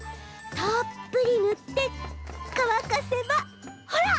たっぷりぬってかわかせばほら！